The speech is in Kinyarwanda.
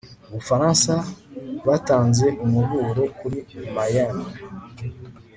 ubufaransa batanze umuburo kuri mayenne